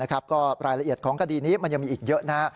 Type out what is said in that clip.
ก็รายละเอียดของคดีนี้มันยังมีอีกเยอะ